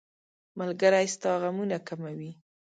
ملګری ستا غمونه کموي.